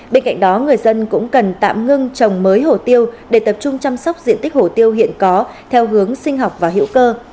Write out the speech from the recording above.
bên cạnh đó người dân cũng cần tạm ngưng trồng mới hồ tiêu để tập trung chăm sóc diện tích hổ tiêu hiện có theo hướng sinh học và hữu cơ